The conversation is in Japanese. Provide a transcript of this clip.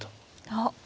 あっ。